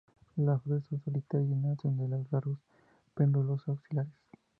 Las flores son solitarias, y nacen de largos pedúnculos axilares.